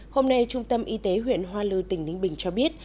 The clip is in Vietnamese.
hôm nay trung tâm y tế huyện hoa lư tỉnh ninh bình cho biết